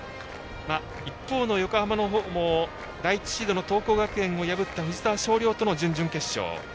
一方の横浜のほうも第１シードの桐光学園を破った藤沢翔陵との準々決勝。